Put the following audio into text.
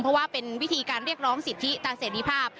เพราะว่าเป็นวิธีการเรียกร้องสิทธิตาเสรีภาพ